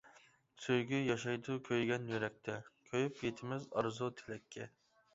سۆيگۈ ياشايدۇ كۆيگەن يۈرەكتە، كۆيۈپ يىتىمىز ئارزۇ-تىلەككە.